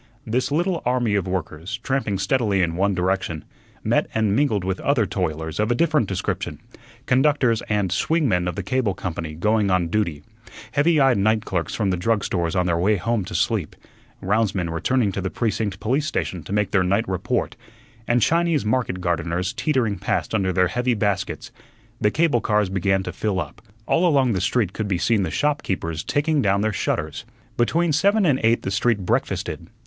This little army of workers, tramping steadily in one direction, met and mingled with other toilers of a different description conductors and "swing men" of the cable company going on duty; heavy eyed night clerks from the drug stores on their way home to sleep; roundsmen returning to the precinct police station to make their night report, and Chinese market gardeners teetering past under their heavy baskets. The cable cars began to fill up; all along the street could be seen the shopkeepers taking down their shutters. Between seven and eight the street breakfasted.